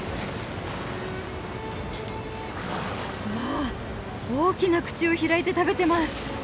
うわ大きな口を開いて食べてます。